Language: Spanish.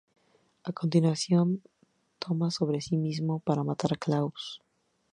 A continuación, toma sobre sí mismo para matar a Klaus.